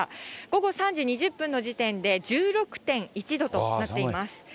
午後３時２０分の時点で１６．１度となっています。